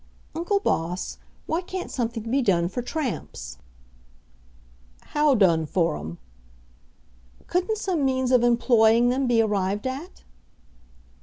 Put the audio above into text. "Uncle Boss, why can't something be done for tramps?" "How done for 'em?" "Couldn't some means of employing them be arrived at?"